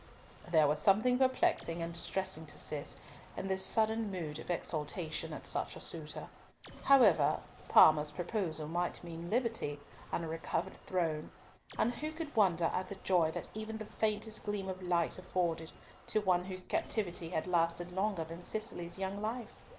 There was something perplexing and distressing to Cis in this sudden mood of exultation at such a suitor. However, Parma's proposal might mean liberty and a recovered throne, and who could wonder at the joy that even the faintest gleam of light afforded to one whose captivity had lasted longer than Cicely's young life?